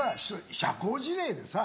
社交辞令でさ。